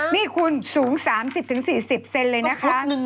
นี่คุณสูง๓๐๔๐เซนเลยนะคะ